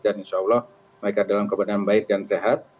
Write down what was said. dan insya allah mereka dalam keadaan baik dan sehat